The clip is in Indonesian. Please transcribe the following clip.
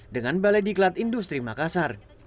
dengan balai diklat industri makassar